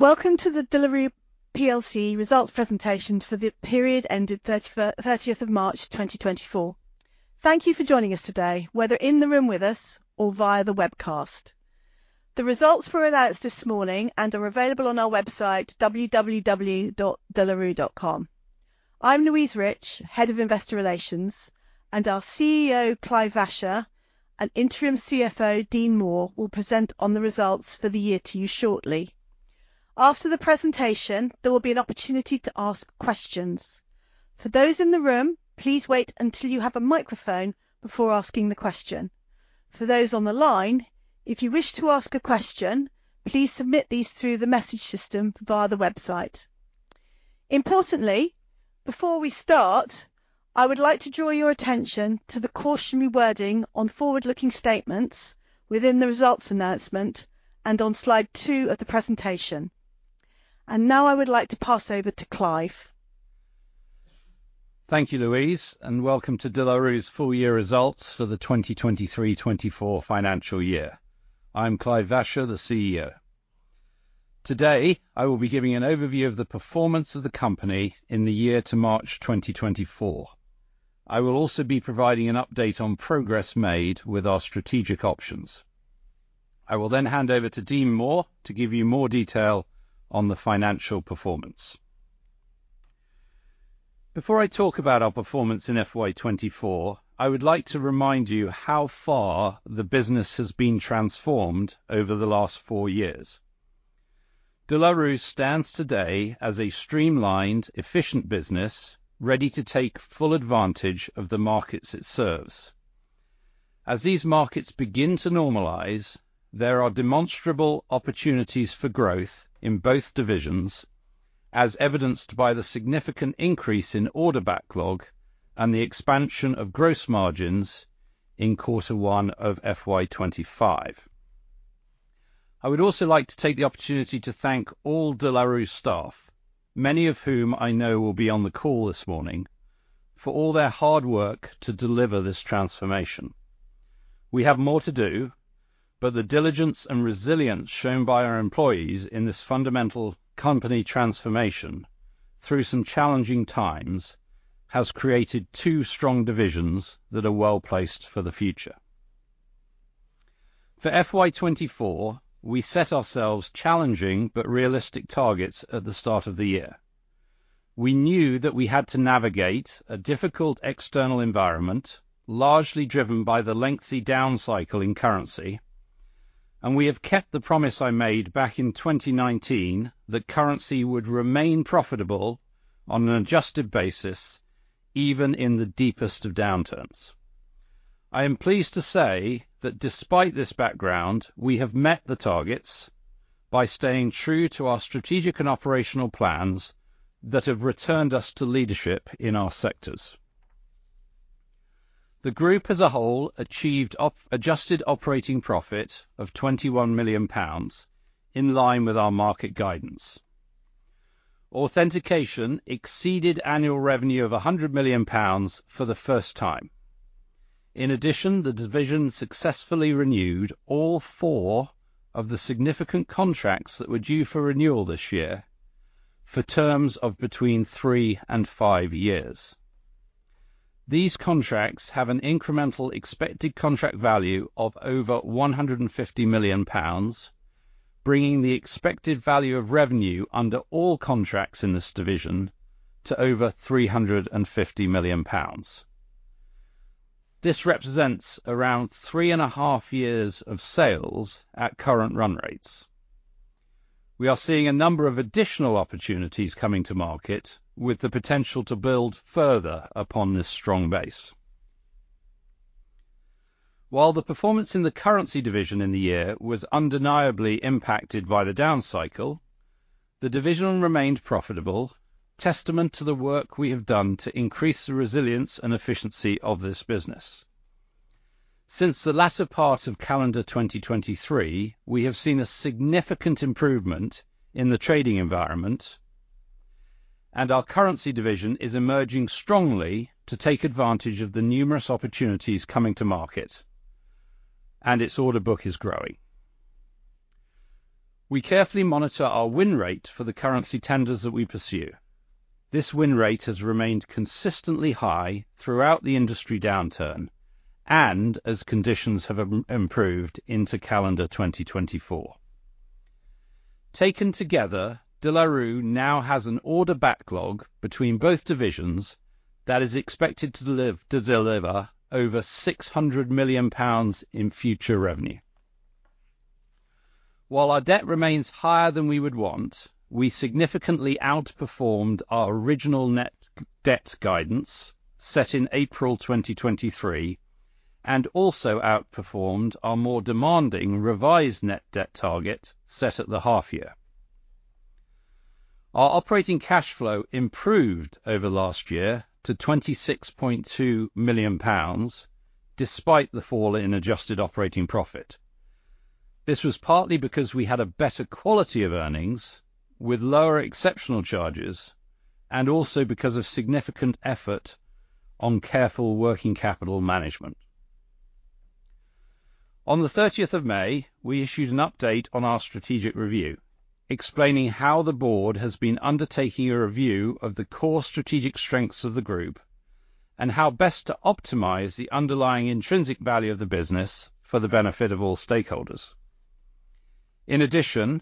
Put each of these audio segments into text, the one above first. Welcome to the De La Rue plc results presentation for the period ended 30th of March, 2024. Thank you for joining us today, whether in the room with us or via the webcast. The results were announced this morning and are available on our website, www.delarue.com. I'm Louise Rich, Head of Investor Relations, and our CEO, Clive Vacher, and Interim CFO, Dean Moore, will present on the results for the year to you shortly. After the presentation, there will be an opportunity to ask questions. For those in the room, please wait until you have a microphone before asking the question. For those on the line, if you wish to ask a question, please submit these through the message system via the website. Importantly, before we start, I would like to draw your attention to the cautionary wording on forward-looking statements within the results announcement and on slide two of the presentation. And now I would like to pass over to Clive. Thank you, Louise, and welcome to De La Rue's full-year results for the 2023-2024 financial year. I'm Clive Vacher, the CEO. Today, I will be giving an overview of the performance of the company in the year to March 2024. I will also be providing an update on progress made with our strategic options. I will then hand over to Dean Moore to give you more detail on the financial performance. Before I talk about our performance in FY 2024, I would like to remind you how far the business has been transformed over the last four years. De La Rue stands today as a streamlined, efficient business, ready to take full advantage of the markets it serves. As these markets begin to normalize, there are demonstrable opportunities for growth in both divisions, as evidenced by the significant increase in order backlog and the expansion of gross margins in quarter one of FY 2025. I would also like to take the opportunity to thank all De La Rue staff, many of whom I know will be on the call this morning, for all their hard work to deliver this transformation. We have more to do, but the diligence and resilience shown by our employees in this fundamental company transformation through some challenging times, has created two strong divisions that are well-placed for the future. For FY 2024, we set ourselves challenging but realistic targets at the start of the year. We knew that we had to navigate a difficult external environment, largely driven by the lengthy downcycle in Currency, and we have kept the promise I made back in 2019 that Currency would remain profitable on an adjusted basis, even in the deepest of downturns. I am pleased to say that despite this background, we have met the targets by staying true to our strategic and operational plans that have returned us to leadership in our sectors. The group as a whole achieved adjusted operating profit of 21 million pounds, in line with our market guidance. Authentication exceeded annual revenue of 100 million pounds for the first time. In addition, the division successfully renewed all four of the significant contracts that were due for renewal this year for terms of between 3 and 5 years. These contracts have an incremental expected contract value of over 150 million pounds, bringing the expected value of revenue under all contracts in this division to over 350 million pounds. This represents around 3.5 years of sales at current run rates. We are seeing a number of additional opportunities coming to market with the potential to build further upon this strong base. While the performance in the Currency division in the year was undeniably impacted by the downcycle, the division remained profitable, testament to the work we have done to increase the resilience and efficiency of this business. Since the latter part of calendar 2023, we have seen a significant improvement in the trading environment, and our Currency division is emerging strongly to take advantage of the numerous opportunities coming to market, and its order book is growing. We carefully monitor our win rate for the currency tenders that we pursue. This win rate has remained consistently high throughout the industry downturn and as conditions have improved into calendar 2024. Taken together, De La Rue now has an order backlog between both divisions that is expected to deliver over 600 million pounds in future revenue. While our debt remains higher than we would want, we significantly outperformed our original net debt guidance set in April 2023, and also outperformed our more demanding revised net debt target set at the half year. Our operating cash flow improved over last year to 26.2 million pounds, despite the fall in adjusted operating profit. This was partly because we had a better quality of earnings with lower exceptional charges, and also because of significant effort on careful working capital management. On the 30th of May, we issued an update on our strategic review, explaining how the board has been undertaking a review of the core strategic strengths of the group and how best to optimize the underlying intrinsic value of the business for the benefit of all stakeholders. In addition,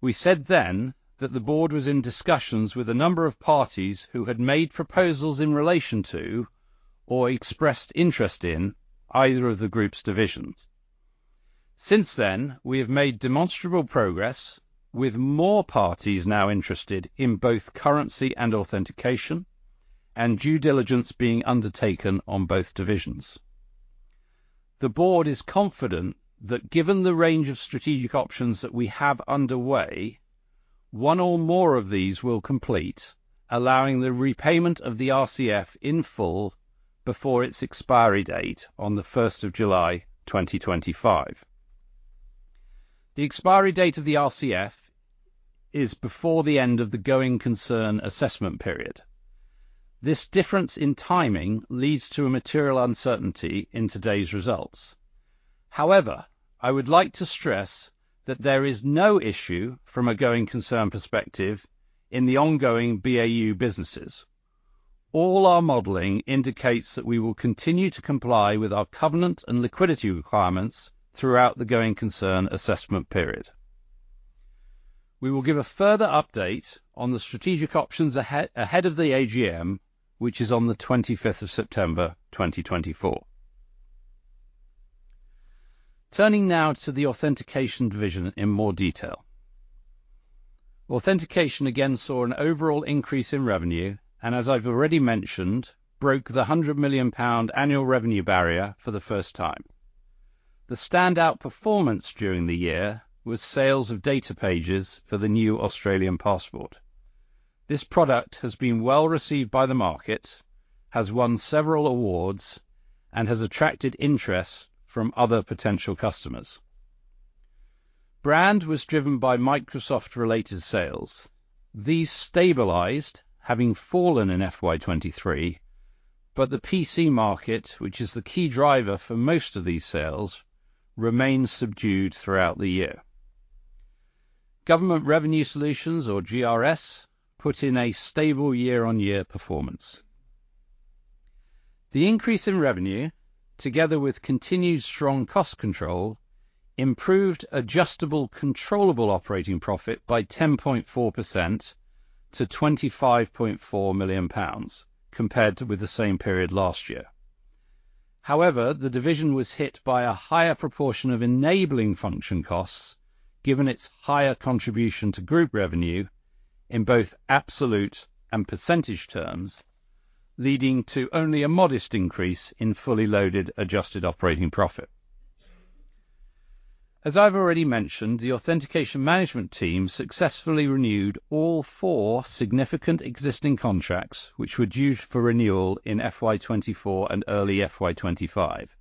we said then that the board was in discussions with a number of parties who had made proposals in relation to or expressed interest in either of the group's divisions. Since then, we have made demonstrable progress, with more parties now interested in both currency and authentication, and due diligence being undertaken on both divisions. The board is confident that given the range of strategic options that we have underway, one or more of these will complete, allowing the repayment of the RCF in full before its expiry date on the 1st of July, 2025. The expiry date of the RCF is before the end of the going concern assessment period. This difference in timing leads to a material uncertainty in today's results. However, I would like to stress that there is no issue from a going concern perspective in the ongoing BAU businesses. All our modeling indicates that we will continue to comply with our covenant and liquidity requirements throughout the going concern assessment period. We will give a further update on the strategic options ahead of the AGM, which is on the 25th of September, 2024. Turning now to the Authentication division in more detail. Authentication again saw an overall increase in revenue, and as I've already mentioned, broke the 100 million pound annual revenue barrier for the first time. The standout performance during the year was sales of data pages for the new Australian passport. This product has been well-received by the market, has won several awards, and has attracted interest from other potential customers. Brand was driven by Microsoft-related sales. These stabilized, having fallen in FY 2023, but the PC market, which is the key driver for most of these sales, remains subdued throughout the year. Government Revenue Solutions, or GRS, put in a stable year-on-year performance. The increase in revenue, together with continued strong cost control, improved adjusted controllable operating profit by 10.4% to 25.4 million pounds, compared with the same period last year. However, the division was hit by a higher proportion of enabling function costs, given its higher contribution to group revenue in both absolute and percentage terms, leading to only a modest increase in fully loaded, adjusted operating profit. As I've already mentioned, the Authentication management team successfully renewed all four significant existing contracts, which were due for renewal in FY 2024 and early FY 2025.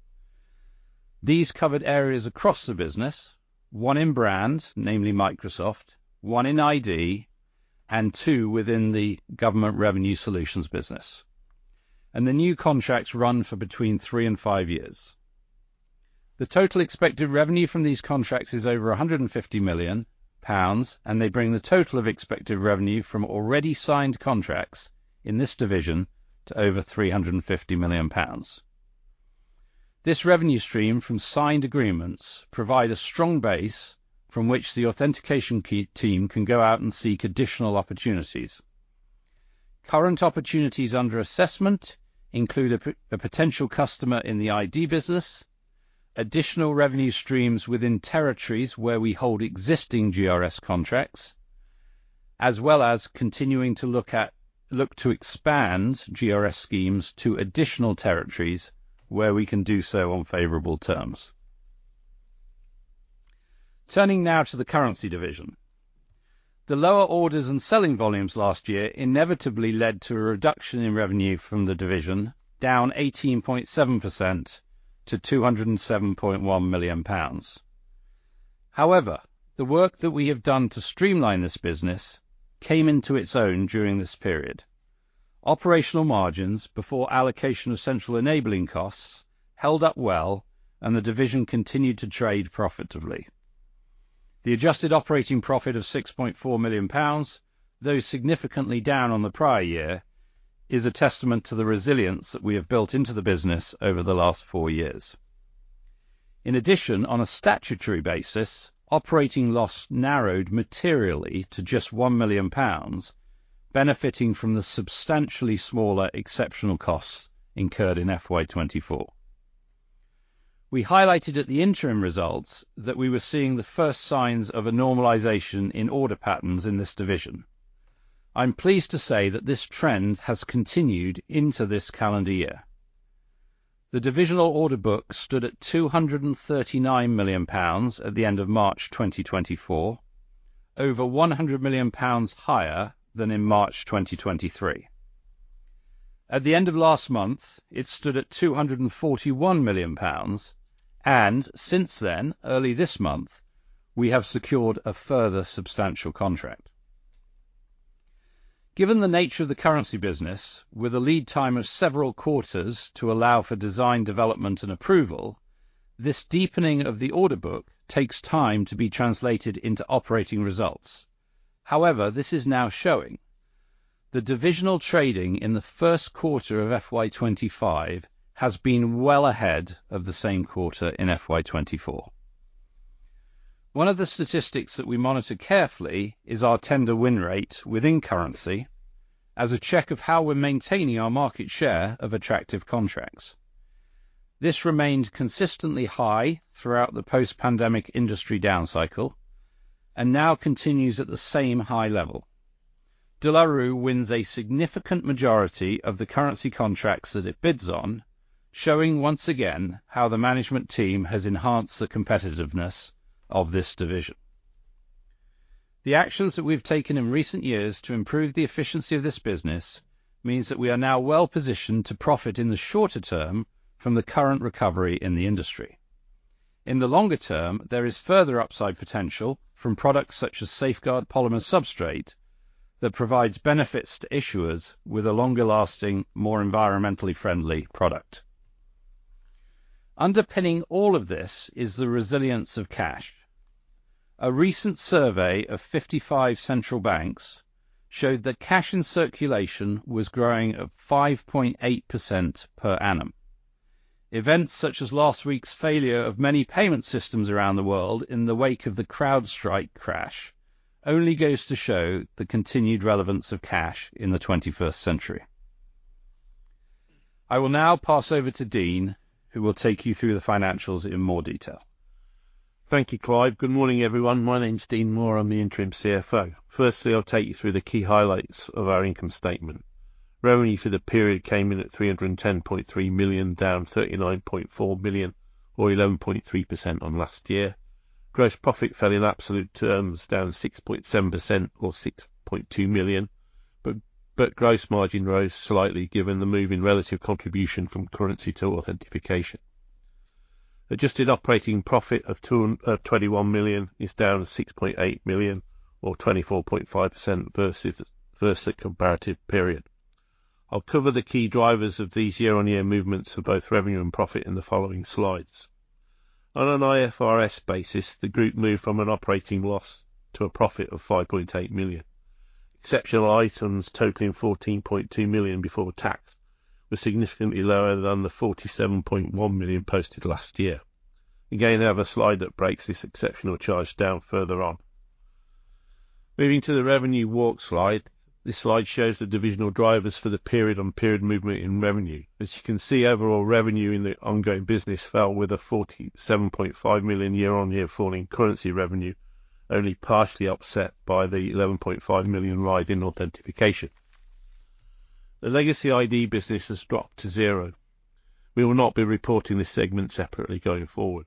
These covered areas across the business, one in brand, namely Microsoft, one in ID, and two within the government revenue solutions business. The new contracts run for between 3 and 5 years. The total expected revenue from these contracts is over 150 million pounds, and they bring the total of expected revenue from already signed contracts in this division to over 350 million pounds. This revenue stream from signed agreements provide a strong base from which the authentication key team can go out and seek additional opportunities. Current opportunities under assessment include a potential customer in the ID business, additional revenue streams within territories where we hold existing GRS contracts, as well as continuing to look to expand GRS schemes to additional territories, where we can do so on favorable terms. Turning now to the Currency division. The lower orders and selling volumes last year inevitably led to a reduction in revenue from the division, down 18.7% to 207.1 million pounds. However, the work that we have done to streamline this business came into its own during this period. Operational margins before allocation of central enabling costs held up well, and the division continued to trade profitably. The adjusted operating profit of 6.4 million pounds, though significantly down on the prior year, is a testament to the resilience that we have built into the business over the last four years. In addition, on a statutory basis, operating loss narrowed materially to just 1 million pounds, benefiting from the substantially smaller exceptional costs incurred in FY 2024. We highlighted at the interim results that we were seeing the first signs of a normalization in order patterns in this division. I'm pleased to say that this trend has continued into this calendar year. The divisional order book stood at 239 million pounds at the end of March 2024, over 100 million pounds higher than in March 2023. At the end of last month, it stood at 241 million pounds, and since then, early this month, we have secured a further substantial contract. Given the nature of the currency business, with a lead time of several quarters to allow for design, development, and approval, this deepening of the order book takes time to be translated into operating results. However, this is now showing. The divisional trading in the first quarter of FY 2025 has been well ahead of the same quarter in FY 2024. One of the statistics that we monitor carefully is our tender win rate within Currency, as a check of how we're maintaining our market share of attractive contracts. This remained consistently high throughout the post-pandemic industry downcycle, and now continues at the same high level. De La Rue wins a significant majority of the currency contracts that it bids on, showing once again how the management team has enhanced the competitiveness of this division. The actions that we've taken in recent years to improve the efficiency of this business, means that we are now well-positioned to profit in the shorter-term from the current recovery in the industry. In the longer-term, there is further upside potential from products such as Safeguard polymer substrate, that provides benefits to issuers with a longer-lasting, more environmentally friendly product. Underpinning all of this is the resilience of cash. A recent survey of 55 central banks showed that cash in circulation was growing at 5.8% per annum. Events such as last week's failure of many payment systems around the world in the wake of the CrowdStrike crash, only goes to show the continued relevance of cash in the 21st century. I will now pass over to Dean, who will take you through the financials in more detail. Thank you, Clive. Good morning, everyone. My name is Dean Moore. I'm the Interim CFO. Firstly, I'll take you through the key highlights of our income statement. Revenue for the period came in at 310.3 million, down 39.4 million or 11.3% on last year. Gross profit fell in absolute terms, down 6.7% or 6.2 million, but gross margin rose slightly given the move in relative contribution from currency to authentication. Adjusted operating profit of 221 million is down 6.8 million or 24.5% versus the comparative period. I'll cover the key drivers of these year-on-year movements for both revenue and profit in the following slides. On an IFRS basis, the group moved from an operating loss to a profit of 5.8 million. Exceptional items totaling 14.2 million before tax were significantly lower than the 47.1 million posted last year. Again, I have a slide that breaks this exceptional charge down further on. Moving to the revenue walk slide. This slide shows the divisional drivers for the period-on-period movement in revenue. As you can see, overall revenue in the ongoing business fell with a 47.5 million year-on-year fall in Currency revenue, only partially upset by the 11.5 million rise in Authentication. The legacy ID business has dropped to zero. We will not be reporting this segment separately going forward.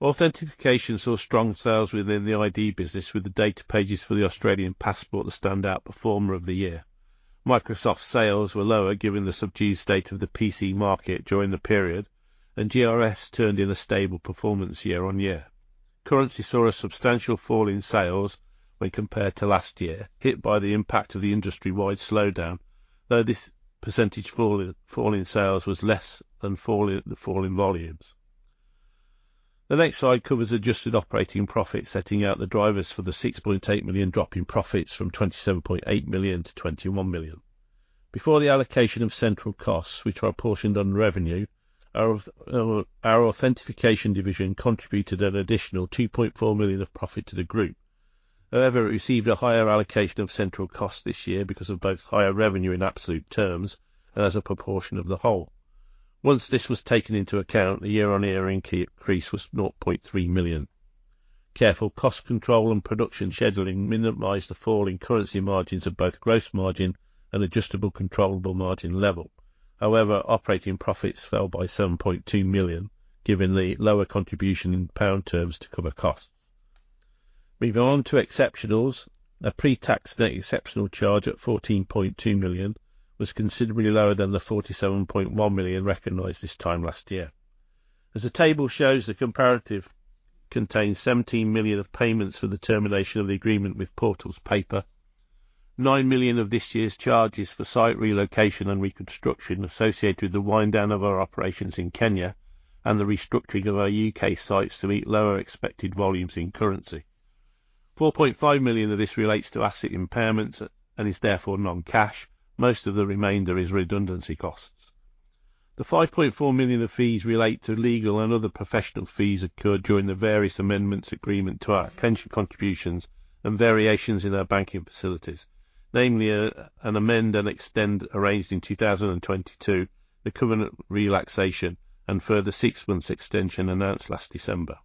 Authentication saw strong sales within the ID business, with the data pages for the Australian passport the standout performer of the year. Microsoft sales were lower, given the subdued state of the PC market during the period, and GRS turned in a stable performance year-on-year. Currency saw a substantial fall in sales when compared to last year, hit by the impact of the industry-wide slowdown, though this percentage fall in sales was less than the fall in volumes. The next slide covers adjusted operating profits, setting out the drivers for the 6.8 million drop in profits from 27.8 million-21 million. Before the allocation of central costs, which are apportioned on revenue, our authentication division contributed an additional 2.4 million of profit to the group. However, it received a higher allocation of central costs this year because of both higher revenue in absolute terms and as a proportion of the whole. Once this was taken into account, the year-on-year increase was 0.3 million. Careful cost control and production scheduling minimized the fall in currency margins of both gross margin and adjustable controllable margin level. However, operating profits fell by 7.2 million, given the lower contribution in pound terms to cover costs. Moving on to exceptionals. A pre-tax net exceptional charge at 14.2 million was considerably lower than the 47.1 million recognized this time last year. As the table shows, the comparative contains 17 million of payments for the termination of the agreement with Portals Paper. 9 million of this year's charges for site relocation and reconstruction associated with the wind down of our operations in Kenya, and the restructuring of our U.K. sites to meet lower expected volumes in currency. 4.5 million of this relates to asset impairments and is therefore non-cash. Most of the remainder is redundancy costs. The 5.4 million of fees relate to legal and other professional fees incurred during the various amendments agreement to our pension contributions and variations in our banking facilities. Namely, an amend and extend arranged in 2022, the covenant relaxation and further six months extension announced last December.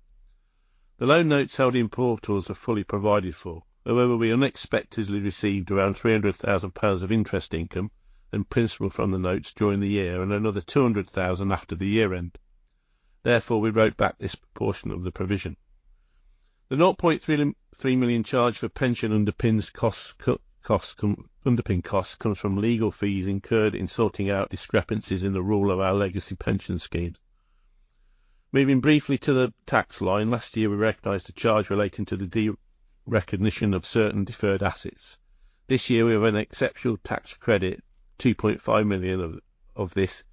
The loan notes held in Portals are fully provided for. However, we unexpectedly received around 300,000 pounds of interest income and principal from the notes during the year, and another 200,000 after the year-end. Therefore, we wrote back this proportion of the provision. The 0.33 million charge for pension underpin costs comes from legal fees incurred in sorting out discrepancies in the rule of our legacy pension scheme. Moving briefly to the tax line, last year, we recognized a charge relating to the derecognition of certain deferred assets. This year, we have an exceptional tax credit, 2.5 million of this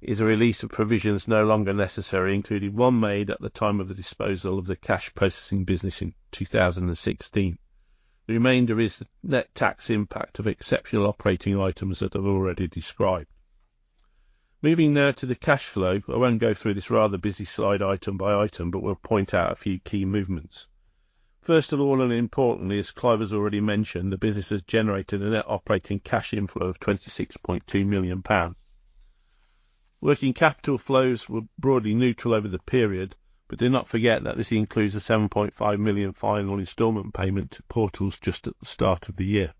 is a release of provisions no longer necessary, including one made at the time of the disposal of the cash processing business in 2016. The remainder is the net tax impact of exceptional operating items that I've already described. Moving now to the cash flow. I won't go through this rather busy slide item by item, but will point out a few key movements. First of all, and importantly, as Clive has already mentioned, the business has generated a net operating cash inflow of 26.2 million pounds. Working capital flows were broadly neutral over the period, but do not forget that this includes a 7.5 million final installment payment to Portals just at the start of the year.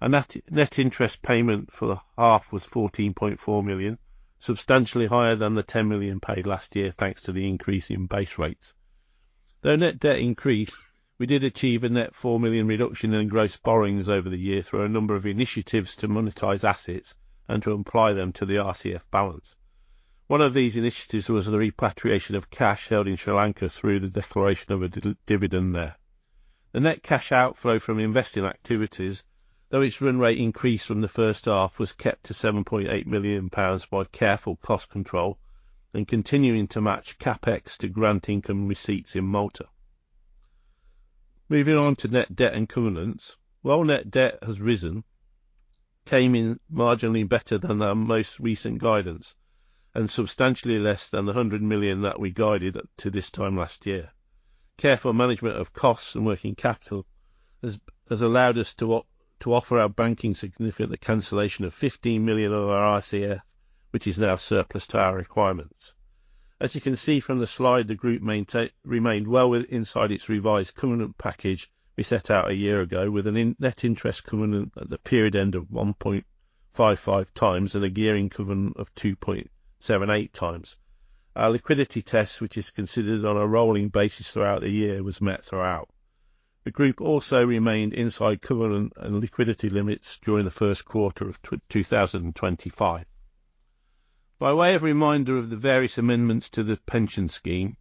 Net interest payment for the half was 14.4 million, substantially higher than the 10 million paid last year, thanks to the increase in base rates. Though net debt increased, we did achieve a net 4 million reduction in gross borrowings over the year through a number of initiatives to monetize assets and to apply them to the RCF balance. One of these initiatives was the repatriation of cash held in Sri Lanka through the declaration of a dividend there. The net cash outflow from investing activities, though its run rate increased from the first half, was kept to 7.8 million pounds by careful cost control and continuing to match CapEx to grant income receipts in Malta. Moving on to net debt and covenants. While net debt has risen, came in marginally better than our most recent guidance and substantially less than the 100 million that we guided to this time last year. Careful management of costs and working capital has allowed us to offer our banking significantly the cancellation of 15 million of our RCF, which is now surplus to our requirements. As you can see from the slide, the group remained well within, inside its revised covenant package we set out a year ago with a net interest covenant at the period end of 1.55x and a gearing covenant of 2.78x. Our liquidity test, which is considered on a rolling basis throughout the year, was met throughout. The group also remained inside covenant and liquidity limits during the first quarter of 2025. By way of reminder of the various amendments to the pension scheme,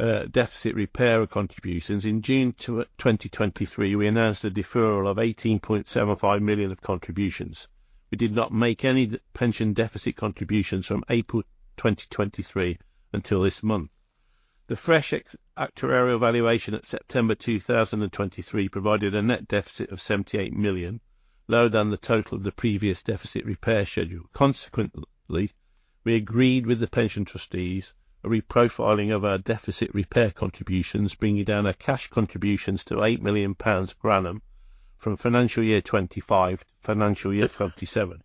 deficit repair contributions, in June 2023, we announced a deferral of 18.75 million of contributions. We did not make any pension deficit contributions from April 2023 until this month. The fresh actuarial valuation at September 2023 provided a net deficit of 78 million, lower than the total of the previous deficit repair schedule. Consequently, we agreed with the pension trustees a reprofiling of our deficit repair contributions, bringing down our cash contributions to 8 million pounds per annum from financial year 2025 to financial year 2027.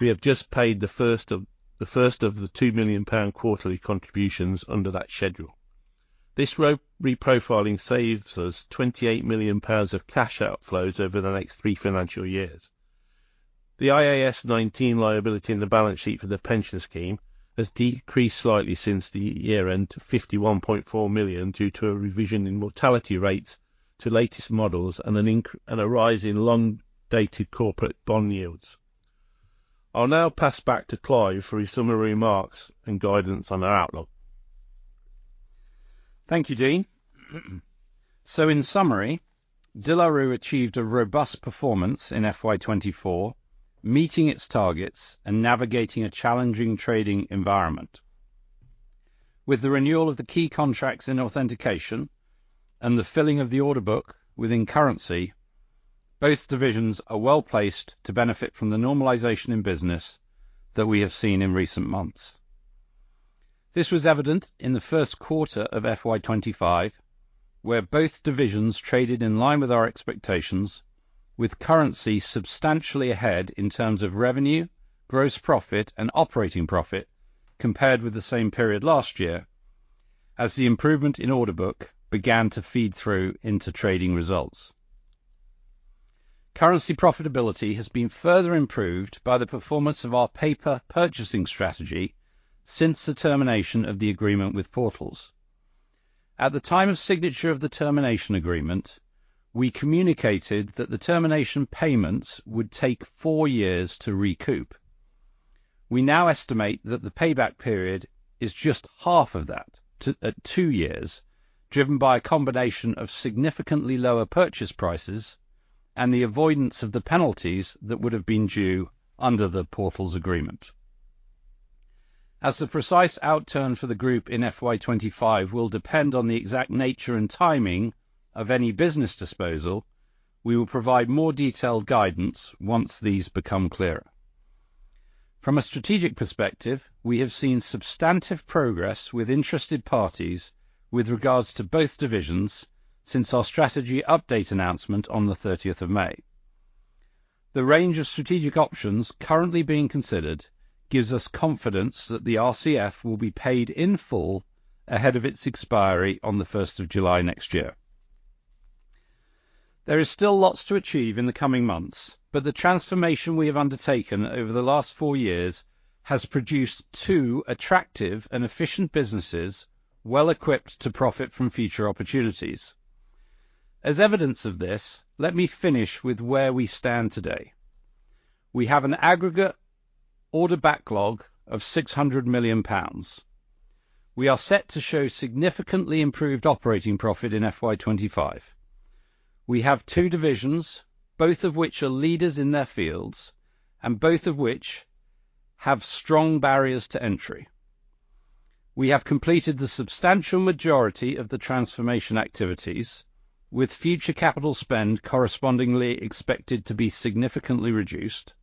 We have just paid the first of the 2 million pound quarterly contributions under that schedule. This reprofiling saves us 28 million pounds of cash outflows over the next three financial years. The IAS 19 liability in the balance sheet for the pension scheme has decreased slightly since the year end to 51.4 million, due to a revision in mortality rates to latest models and a rise in long-dated corporate bond yields. I'll now pass back to Clive for his summary remarks and guidance on our outlook. Thank you, Dean. So in summary, De La Rue achieved a robust performance in FY 2024, meeting its targets and navigating a challenging trading environment. With the renewal of the key contracts in Authentication and the filling of the order book within Currency, both divisions are well-placed to benefit from the normalization in business that we have seen in recent months. This was evident in the first quarter of FY 2025, where both divisions traded in line with our expectations, with Currency substantially ahead in terms of revenue, gross profit and operating profit compared with the same period last year, as the improvement in order book began to feed through into trading results. Currency profitability has been further improved by the performance of our Paper Purchasing Strategy since the termination of the agreement with Portals. At the time of signature of the termination agreement, we communicated that the termination payments would take four years to recoup. We now estimate that the payback period is just half of that, at two years, driven by a combination of significantly lower purchase prices and the avoidance of the penalties that would have been due under the Portals agreement. As the precise outturn for the group in FY 2025 will depend on the exact nature and timing of any business disposal, we will provide more detailed guidance once these become clearer. From a strategic perspective, we have seen substantive progress with interested parties with regards to both divisions since our strategy update announcement on the thirtieth of May. The range of strategic options currently being considered gives us confidence that the RCF will be paid in full ahead of its expiry on the first of July next year. There is still lots to achieve in the coming months, but the transformation we have undertaken over the last four years has produced two attractive and efficient businesses, well-equipped to profit from future opportunities. As evidence of this, let me finish with where we stand today. We have an aggregate order backlog of 600 million pounds. We are set to show significantly improved operating profit in FY 2025. We have two divisions, both of which are leaders in their fields, and both of which have strong barriers to entry. We have completed the substantial majority of the transformation activities, with future capital spend correspondingly expected to be significantly reduced.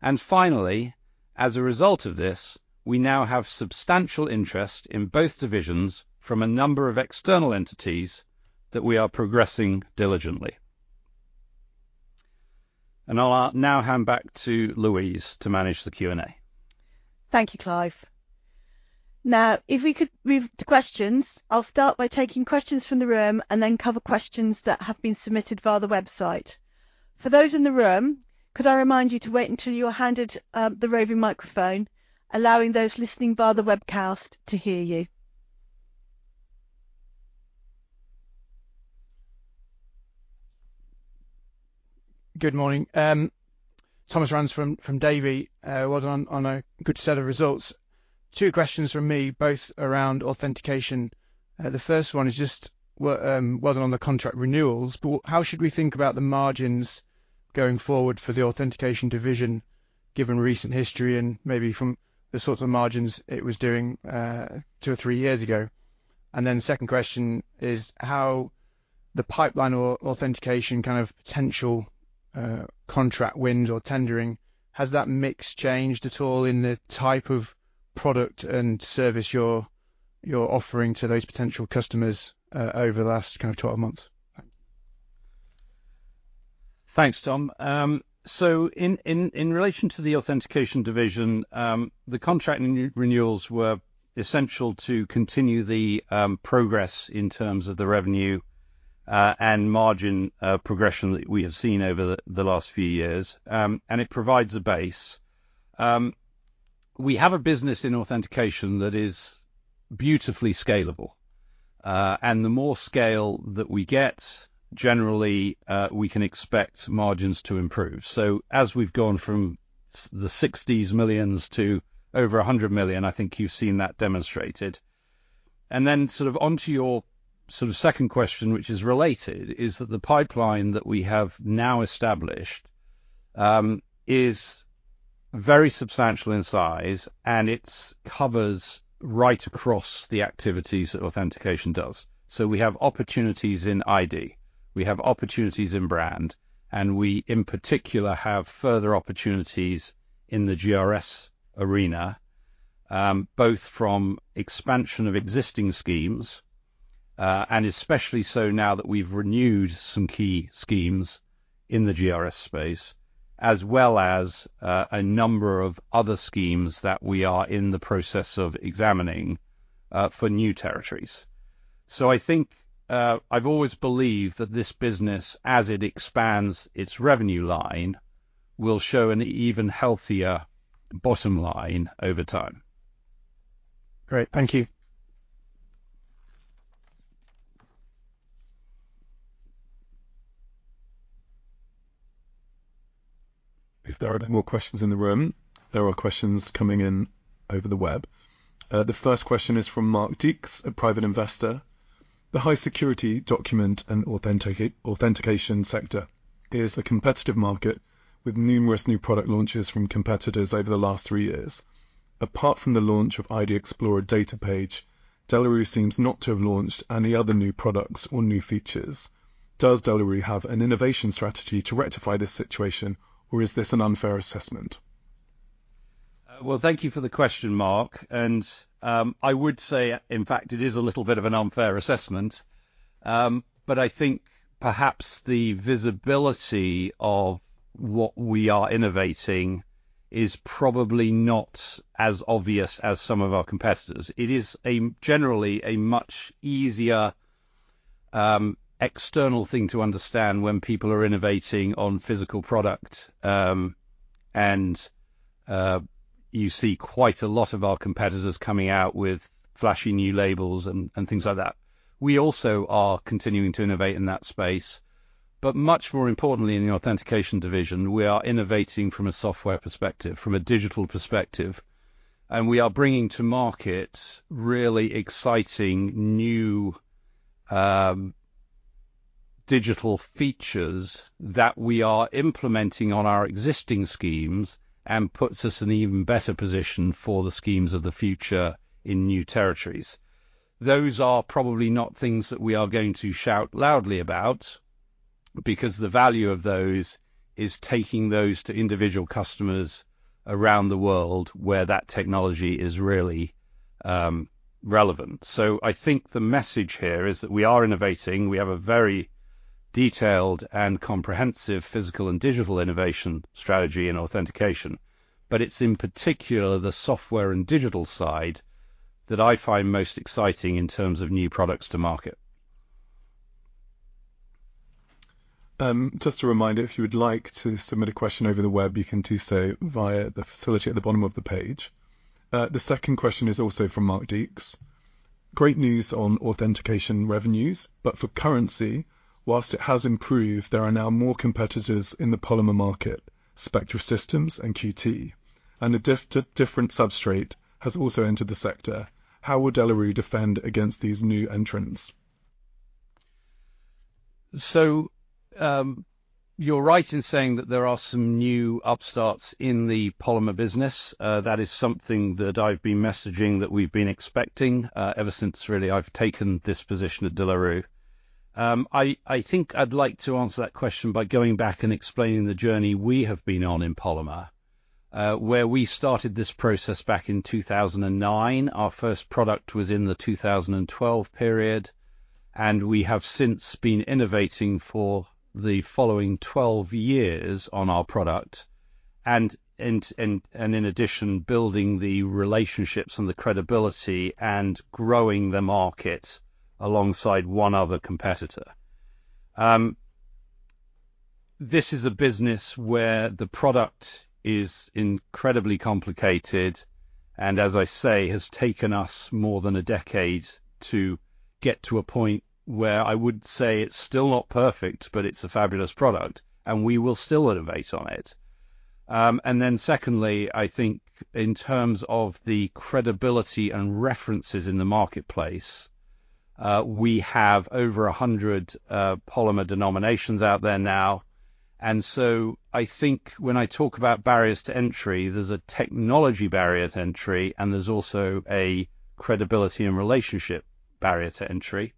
And finally, as a result of this, we now have substantial interest in both divisions from a number of external entities that we are progressing diligently. And I'll now hand back to Louise to manage the Q&A. Thank you, Clive. Now, if we could move to questions, I'll start by taking questions from the room and then cover questions that have been submitted via the website. For those in the room, could I remind you to wait until you are handed the roving microphone, allowing those listening via the webcast to hear you? Good morning, Thomas Rands from Davy. Well done on a good set of results. Two questions from me, both around Authentication. The first one is just, what, well, on the contract renewals, but how should we think about the margins going forward for the Authentication division, given recent history and maybe from the sorts of margins it was doing, two or three years ago? And then the second question is how the pipeline Authentication, kind of potential, contract wins or tendering, has that mix changed at all in the type of product and service you're offering to those potential customers, over the last kind of 12 months? Thanks, Tom. So in relation to the Authentication division, the contract new renewals were essential to continue the progress in terms of the revenue and margin progression that we have seen over the last few years. And it provides a base. We have a business in Authentication that is beautifully scalable, and the more scale that we get, generally, we can expect margins to improve. So as we've gone from the 60 million to over 100 million, I think you've seen that demonstrated. And then sort of onto your sort of second question, which is related, is that the pipeline that we have now established is very substantial in size, and it covers right across the activities that Authentication does. So we have opportunities in ID, we have opportunities in Brand, and we, in particular, have further opportunities in the GRS arena, both from expansion of existing schemes, and especially so now that we've renewed some key schemes in the GRS space, as well as, a number of other schemes that we are in the process of examining, for new territories. So I think, I've always believed that this business, as it expands its revenue line, will show an even healthier bottom line over time. Great. Thank you. If there are no more questions in the room, there are questions coming in over the web. The first question is from Mark Deeks, a private investor: The high security document and authentication sector is a competitive market with numerous new product launches from competitors over the last three years. Apart from the launch of ID Explorer data page, De La Rue seems not to have launched any other new products or new features. Does De La Rue have an innovation strategy to rectify this situation, or is this an unfair assessment? Well, thank you for the question, Mark, and I would say, in fact, it is a little bit of an unfair assessment. But I think perhaps the visibility of what we are innovating is probably not as obvious as some of our competitors. It is generally a much easier external thing to understand when people are innovating on physical product, and you see quite a lot of our competitors coming out with flashy new labels and things like that. We also are continuing to innovate in that space, but much more importantly, in the Authentication division, we are innovating from a software perspective, from a digital perspective, and we are bringing to market really exciting new digital features that we are implementing on our existing schemes and puts us in even better position for the schemes of the future in new territories. Those are probably not things that we are going to shout loudly about, because the value of those is taking those to individual customers around the world where that technology is really relevant. So I think the message here is that we are innovating. We have a very detailed and comprehensive physical and digital innovation strategy in Authentication, but it's in particular the software and digital side that I find most exciting in terms of new products to market. Just a reminder, if you would like to submit a question over the web, you can do so via the facility at the bottom of the page. The second question is also from Mark Deeks: Great news on Authentication revenues, but for currency, whilst it has improved, there are now more competitors in the Polymer market, Spectra Systems and Keqiao, and a different substrate has also entered the sector. How will De La Rue defend against these new entrants? So, you're right in saying that there are some new upstarts in the Polymer business. That is something that I've been messaging, that we've been expecting, ever since really I've taken this position at De La Rue. I think I'd like to answer that question by going back and explaining the journey we have been on in polymer. Where we started this process back in 2009, our first product was in the 2012 period, and we have since been innovating for the following 12 years on our product, and in addition, building the relationships and the credibility and growing the market alongside one other competitor. This is a business where the product is incredibly complicated and, as I say, has taken us more than a decade to get to a point where I would say it's still not perfect, but it's a fabulous product, and we will still innovate on it. And then secondly, I think in terms of the credibility and references in the marketplace, we have over a hundred polymer denominations out there now. And so I think when I talk about barriers to entry, there's a technology barrier to entry, and there's also a credibility and relationship barrier to entry.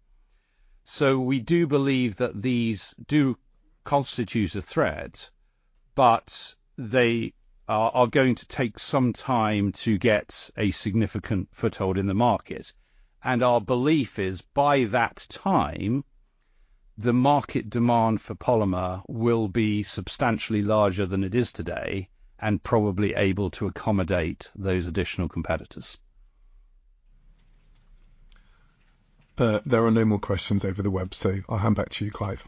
So we do believe that these do constitute a threat, but they are, are going to take some time to get a significant foothold in the market. Our belief is, by that time, the market demand for Polymer will be substantially larger than it is today, and probably able to accommodate those additional competitors. There are no more questions over the web, so I'll hand back to you, Clive.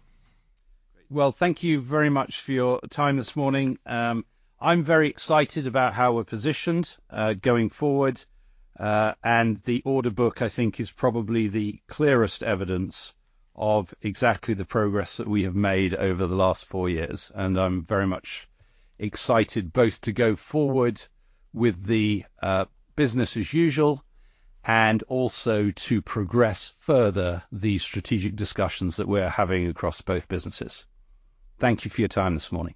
Well, thank you very much for your time this morning. I'm very excited about how we're positioned going forward. And the order book, I think, is probably the clearest evidence of exactly the progress that we have made over the last four years, and I'm very much excited both to go forward with the business as usual and also to progress further the strategic discussions that we're having across both businesses. Thank you for your time this morning.